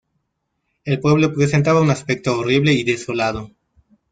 El pueblo presentaba un aspecto horrible y desolado.